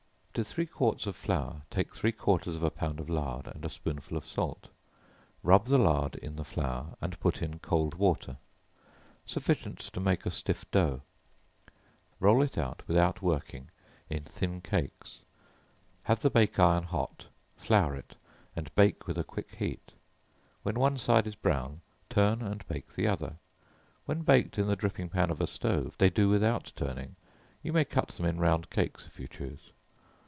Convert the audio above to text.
To three quarts of flour take three quarters of a pound of lard, and a spoonful of salt; rub the lard in the flour, and put in cold water, sufficient to make a stiff dough; roll it out without working in thin cakes; have the bake iron hot, flour it, and bake with a quick heat; when one side is brown, turn and bake the other; when baked in the dripping pan of a stove, they do without turning; you may cut them in round cakes, if you choose.